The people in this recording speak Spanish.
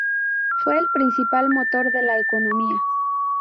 Fue el principal motor de la economía.